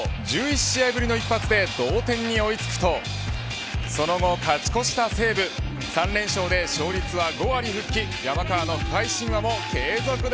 １１試合ぶりの一発で同点に追い付くとその後、勝ち越した西武３連勝で勝率は５割復帰